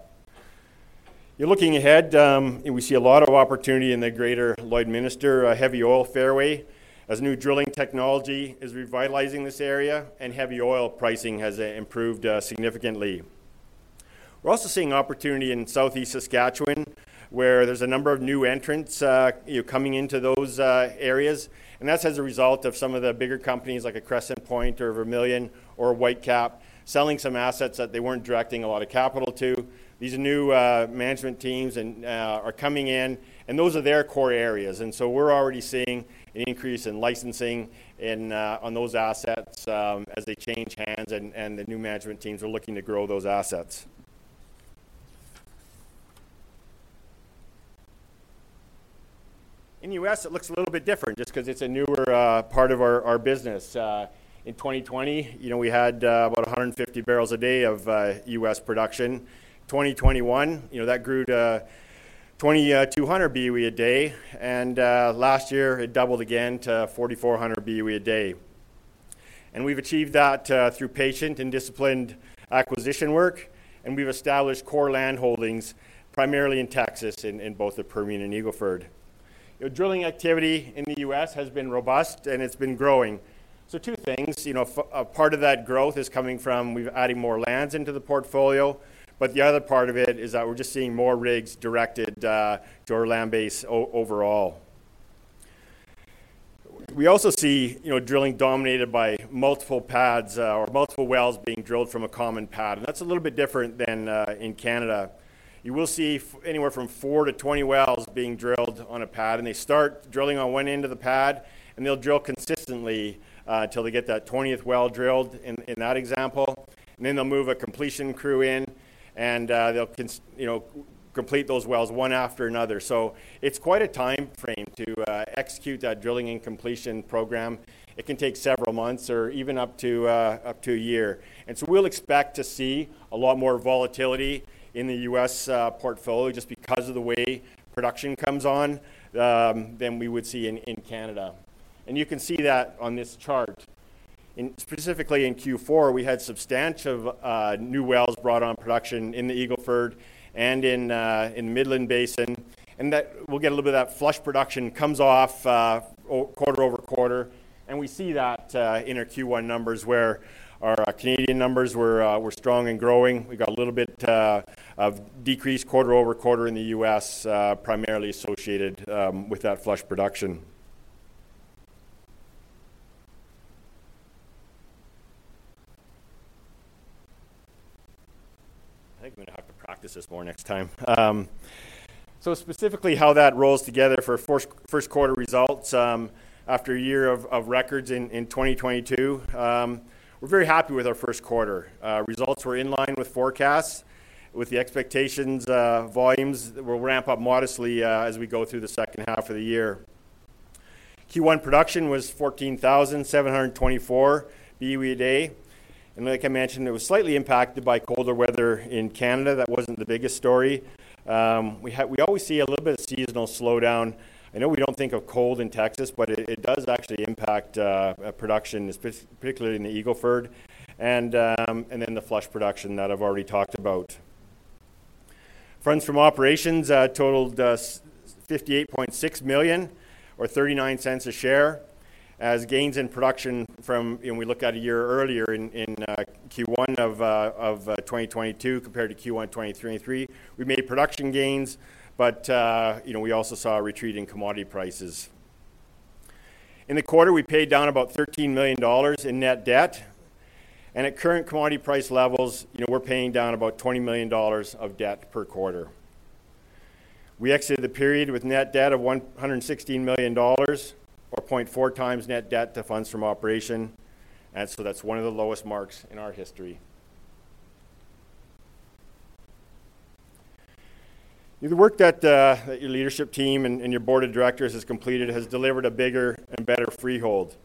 You're looking ahead. We see a lot of opportunity in the Greater Lloydminster Heavy Oil Fairway as new drilling technology is revitalizing this area, and heavy oil pricing has improved significantly. We're also seeing opportunity in Southeast Saskatchewan, where there's a number of new entrants coming into those areas. That's as a result of some of the bigger companies like Crescent Point or Vermilion or Whitecap selling some assets that they weren't directing a lot of capital to. These new management teams are coming in. Those are their core areas. So we're already seeing an increase in licensing on those assets as they change hands and the new management teams are looking to grow those assets. In the US, it looks a little bit different just because it's a newer part of our business. In 2020, we had about 150 barrels a day of US production. 2021, that grew to 2,200 BOE a day. And last year, it doubled again to 4,400 BOE a day. We've achieved that through patient and disciplined acquisition work. We've established core land holdings primarily in Texas, in both the Permian and Eagle Ford. Drilling activity in the U.S. has been robust, and it's been growing. So two things. Part of that growth is coming from we've added more lands into the portfolio. But the other part of it is that we're just seeing more rigs directed to our land base overall. We also see drilling dominated by multiple pads or multiple wells being drilled from a common pad. And that's a little bit different than in Canada. You will see anywhere from 4-20 wells being drilled on a pad. And they start drilling on one end of the pad, and they'll drill consistently until they get that 20th well drilled in that example. And then they'll move a completion crew in, and they'll complete those wells one after another. It's quite a time frame to execute that drilling and completion program. It can take several months or even up to a year. And so we'll expect to see a lot more volatility in the U.S. portfolio just because of the way production comes on than we would see in Canada. And you can see that on this chart. Specifically in Q4, we had substantial new wells brought on production in the Eagle Ford and in the Midland Basin. And we'll get a little bit of that flush production comes off quarter over quarter. And we see that in our Q1 numbers, where our Canadian numbers were strong and growing. We got a little bit of decrease quarter over quarter in the U.S., primarily associated with that flush production. I think I'm going to have to practice this more next time. So specifically, how that rolls together for first-quarter results after a year of records in 2022, we're very happy with our first quarter. Results were in line with forecasts, with the expectations volumes will ramp up modestly as we go through the second half of the year. Q1 production was 14,724 BOE a day. And like I mentioned, it was slightly impacted by colder weather in Canada. That wasn't the biggest story. We always see a little bit of seasonal slowdown. I know we don't think of cold in Texas, but it does actually impact production, particularly in the Eagle Ford and then the flush production that I've already talked about. Funds from Operations totaled 58.6 million or 0.39 a share. As gains in production from when we look at a year earlier in Q1 of 2022 compared to Q1, 2023, 2023, we made production gains, but we also saw a retreat in commodity prices. In the quarter, we paid down about 13 million dollars in net debt. At current commodity price levels, we're paying down about 20 million dollars of debt per quarter. We exited the period with net debt of 116 million dollars or 0.4 times net debt to funds from operation. That's one of the lowest marks in our history. The work that your leadership team and your board of directors has completed has delivered a bigger and better Freehold,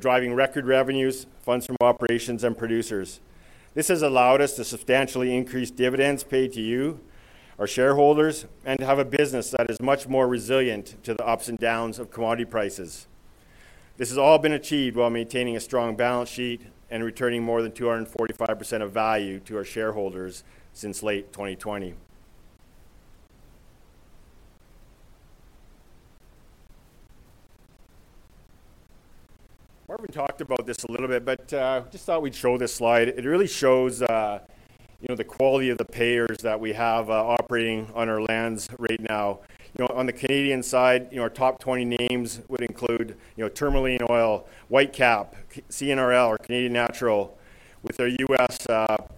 driving record revenues, funds from operations, and producers. This has allowed us to substantially increase dividends paid to you, our shareholders, and to have a business that is much more resilient to the ups and downs of commodity prices. This has all been achieved while maintaining a strong balance sheet and returning more than 245% of value to our shareholders since late 2020. Marvin talked about this a little bit, but just thought we'd show this slide. It really shows the quality of the payers that we have operating on our lands right now. On the Canadian side, our top 20 names would include Tourmaline Oil, Whitecap, CNRL, or Canadian Natural, with their U.S.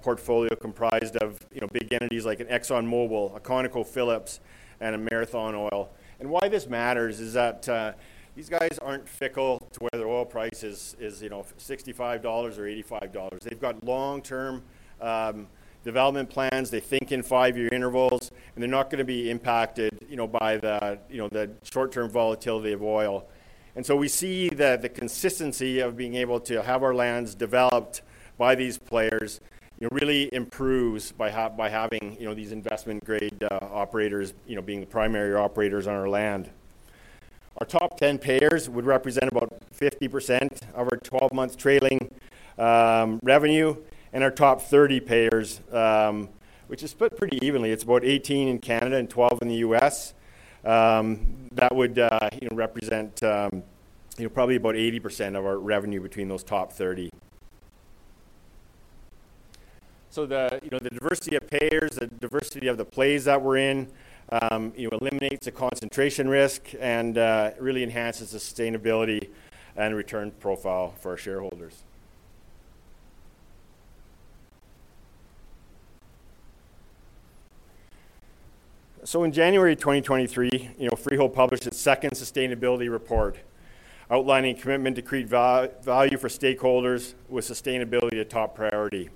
portfolio comprised of big entities like an ExxonMobil, a ConocoPhillips, and a Marathon Oil. And why this matters is that these guys aren't fickle to where their oil price is $65 or $85. They've got long-term development plans. They think in five-year intervals. They're not going to be impacted by the short-term volatility of oil. So we see that the consistency of being able to have our lands developed by these players really improves by having these investment-grade operators being the primary operators on our land. Our top 10 payers would represent about 50% of our 12-month trailing revenue and our top 30 payers, which is split pretty evenly. It's about 18 in Canada and 12 in the U.S. That would represent probably about 80% of our revenue between those top 30. The diversity of payers, the diversity of the plays that we're in, eliminates a concentration risk and really enhances the sustainability and return profile for our shareholders. In January 2023, Freehold published its second sustainability report outlining commitment to create value for stakeholders with sustainability a top priority.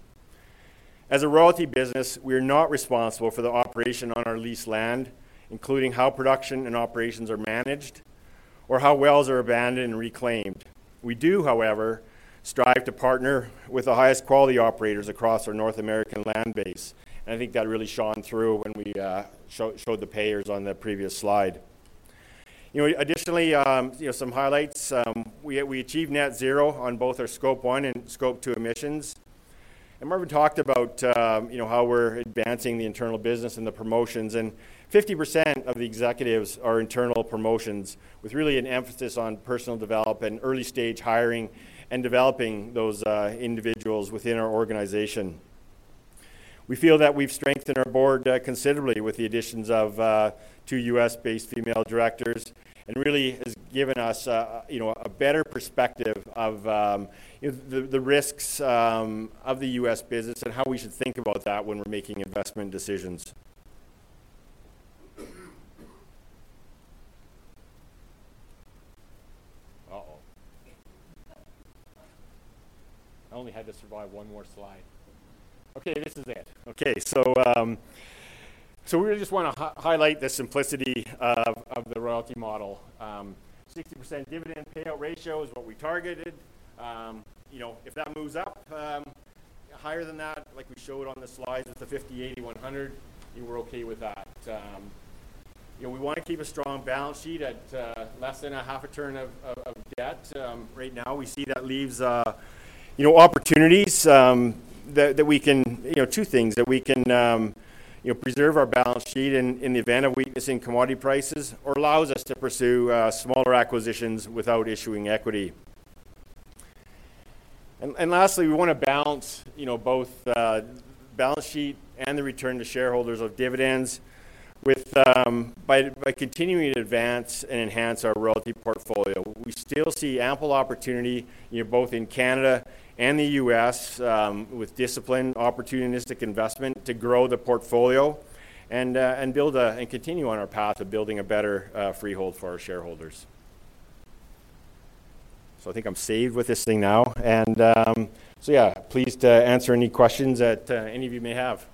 As a royalty business, we are not responsible for the operation on our leased land, including how production and operations are managed or how wells are abandoned and reclaimed. We do, however, strive to partner with the highest-quality operators across our North American land base. I think that really shone through when we showed the payers on the previous slide. Additionally, some highlights. We achieved net zero on both our Scope 1 and Scope 2 emissions. Marvin talked about how we're advancing the internal business and the promotions. 50% of the executives are internal promotions with really an emphasis on personal development and early-stage hiring and developing those individuals within our organization. We feel that we've strengthened our board considerably with the additions of two U.S.-based female directors and really has given us a better perspective of the risks of the U.S. business and how we should think about that when we're making investment decisions. I only had to survive one more slide. Okay. This is it. Okay. So we just want to highlight the simplicity of the royalty model. 60% dividend payout ratio is what we targeted. If that moves up higher than that, like we showed on the slides with the 50/80/100, we're okay with that. We want to keep a strong balance sheet at less than 0.5 turn of debt. Right now, we see that leaves opportunities that we can two things, that we can preserve our balance sheet in the event of weakness in commodity prices or allows us to pursue smaller acquisitions without issuing equity. And lastly, we want to balance both balance sheet and the return to shareholders of dividends by continuing to advance and enhance our royalty portfolio. We still see ample opportunity both in Canada and the U.S. with discipline, opportunistic investment to grow the portfolio and continue on our path of building a better Freehold for our shareholders. So I think I'm saved with this thing now. And so yeah, please answer any questions that any of you may have.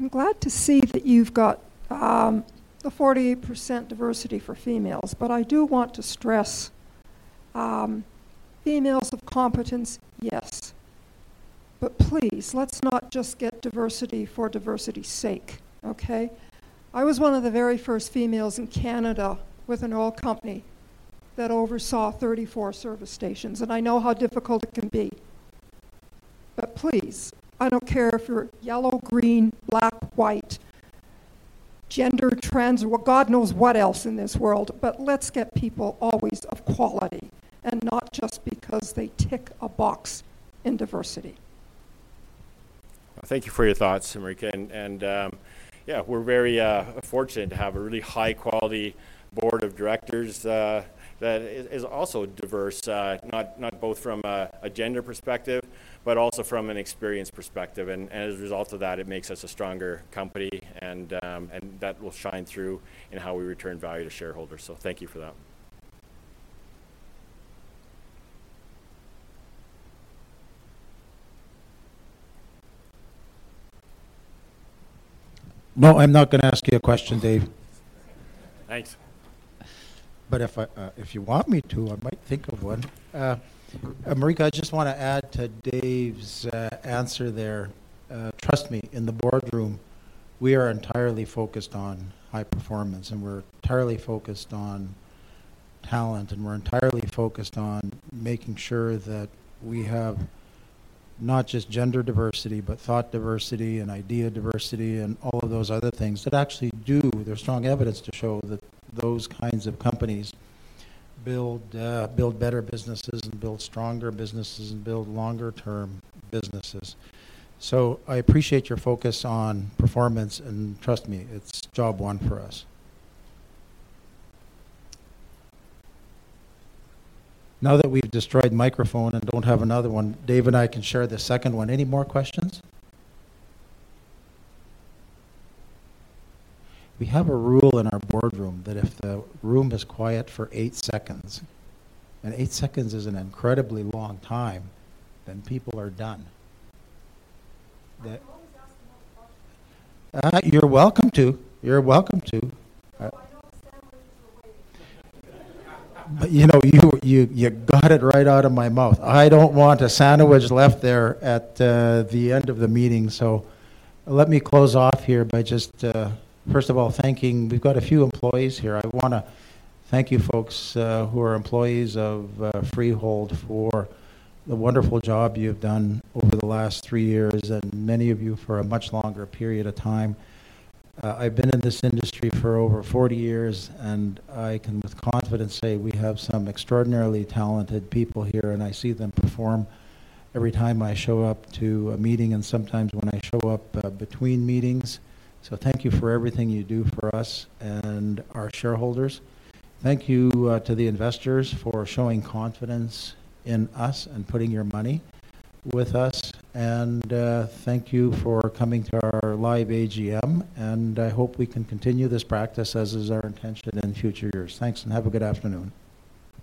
Marika? I'm glad to see that you've got the 48% diversity for females. But I do want to stress, females of competence, yes. But please, let's not just get diversity for diversity's sake, okay? I was one of the very first females in Canada with an oil company that oversaw 34 service stations. And I know how difficult it can be. But please, I don't care if you're yellow, green, black, white, gender, trans, or God knows what else in this world. But let's get people always of quality and not just because they tick a box in diversity. Thank you for your thoughts, Marika. Yeah, we're very fortunate to have a really high-quality board of directors that is also diverse, not both from a gender perspective but also from an experience perspective. As a result of that, it makes us a stronger company. That will shine through in how we return value to shareholders. So thank you for that. No, I'm not going to ask you a question, Dave. Thanks. But if you want me to, I might think of one. Marika, I just want to add to Dave's answer there. Trust me, in the boardroom, we are entirely focused on high performance. We're entirely focused on talent. We're entirely focused on making sure that we have not just gender diversity but thought diversity and idea diversity and all of those other things that actually do. There's strong evidence to show that those kinds of companies build better businesses and build stronger businesses and build longer-term businesses. So I appreciate your focus on performance. Trust me, it's job one for us. Now that we've destroyed microphone and don't have another one, Dave and I can share the second one. Any more questions? We have a rule in our boardroom that if the room is quiet for eight seconds and eight seconds is an incredibly long time, then people are done. I always ask the most questions. You're welcome to. You're welcome to. Oh, I know the sandwiches were waiting. But you got it right out of my mouth. I don't want a sandwich left there at the end of the meeting. So let me close off here by just, first of all, thanking. We've got a few employees here. I want to thank you folks who are employees of Freehold for the wonderful job you've done over the last 3 years and many of you for a much longer period of time. I've been in this industry for over 40 years. And I can with confidence say we have some extraordinarily talented people here. And I see them perform every time I show up to a meeting and sometimes when I show up between meetings. So thank you for everything you do for us and our shareholders. Thank you to the investors for showing confidence in us and putting your money with us. Thank you for coming to our live AGM. I hope we can continue this practice as is our intention in future years. Thanks. Have a good afternoon.